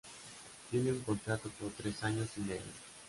Tiene un contrato por tres años y medio.